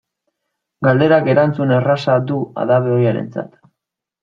Galderak erantzun erraza du abade ohiarentzat.